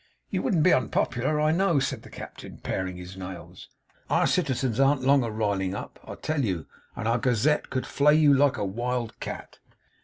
'You wouldn't be unpop'lar, I know,' said the Captain, paring his nails. 'Our citizens an't long of riling up, I tell you; and our Gazette could flay you like a wild cat.